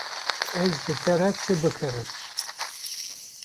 Ez ji te re çi bikirim.